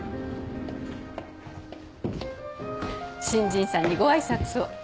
新人さんにご挨拶を。